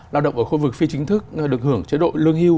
lao động ở khu vực phi chính thức được hưởng chế độ lương hưu